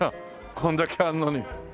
こんだけあるのに。